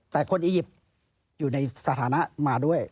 แต่คนอียิปต์อยู่ในสถานะมาด้วย